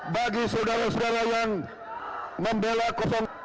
bagi saudara saudara yang membela